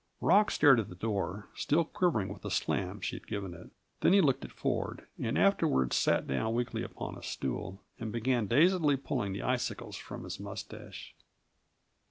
Rock stared at the door, still quivering with the slam she had given it. Then he looked at Ford, and afterward sat down weakly upon a stool, and began dazedly pulling the icicles from his mustache.